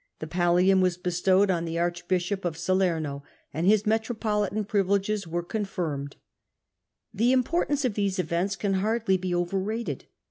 The pallium was bestowed on the archbishop of Salerno, and his metropolitan privileges were con firmed. The importance of these events can hardly be overrated.